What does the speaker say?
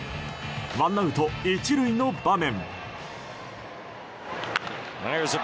ワンアウト１塁の場面。